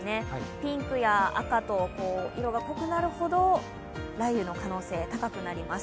ピンクや赤と、色が濃くなるほど雷雨の可能性、高くなります。